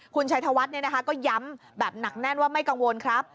คุณชัยธวัฒน์ก็ย้ำแบบหนักแน่นว่าไม่กังวลครับ